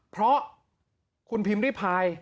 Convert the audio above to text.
เพราะคุณพิมพ์ริพาย